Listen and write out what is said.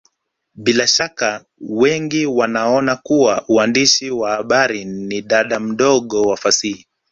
Bila shaka wengi wanaona kuwa uandishi wa habari ni dada mdogo wa fasihi